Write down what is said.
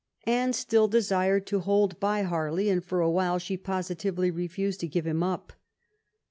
Anne still desired to hold by Harley, and for a while she positively refused to give him up.